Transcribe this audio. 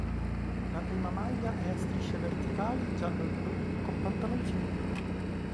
La prima maglia è a strisce verticali giallo-blu con pantaloncini blu.